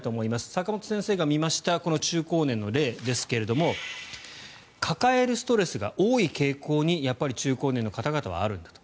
坂元先生が診ました中高年の例ですが抱えるストレスが多い傾向に中高年の方々はあるんだと。